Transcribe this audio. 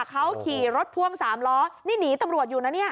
เขาขี่รถพ่วง๓ล้อนี่หนีตำรวจอยู่นะเนี่ย